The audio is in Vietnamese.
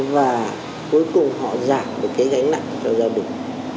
và cuối cùng họ giảm được cái gánh nặng cho gia đình